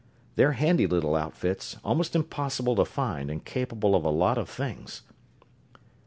They're handy little outfits, almost impossible to find, and capable of a lot of things."